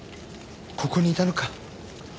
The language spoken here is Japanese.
ここにいたのか。